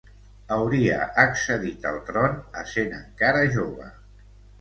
Hauria accedit al tron essent encara jove.